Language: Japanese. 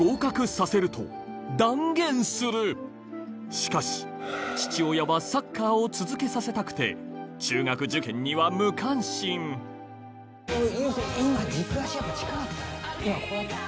しかし父親はサッカーを続けさせたくて中学受験には無関心もう。